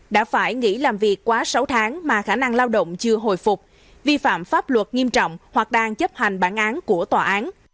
đã phải nghỉ làm việc quá sáu tháng mà khả năng lao động chưa hồi phục vi phạm pháp luật nghiêm trọng hoặc đang chấp hành bản án của tòa án